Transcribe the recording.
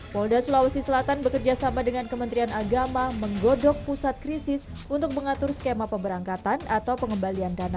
polda sulawesi selatan bekerjasama dengan kementerian agama menggodok pusat krisis untuk mengatur skema pemberangkatan atau pengembalian dana